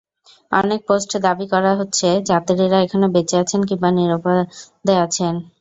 অনেক পোস্টে দাবি করা হচ্ছে, যাত্রীরা এখনো বেঁচে আছেন কিংবা নিরাপদে আছেন।